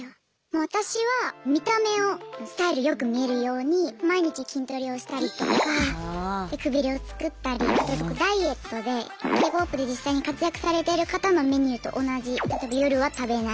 私は見た目をスタイルよく見えるように毎日筋トレをしたりとかくびれをつくったりダイエットでＫ−ＰＯＰで実際に活躍されている方のメニューと同じ例えば夜は食べない。